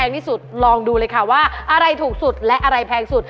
อันนี้ตลกไม่ชอบ